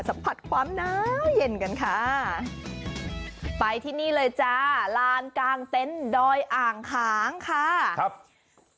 สัมผัสความน้าวเย็นกันค่ะไปที่นี่เลยจ้าลานกลางเต็นต์ดอยอ่างขางค่ะครับ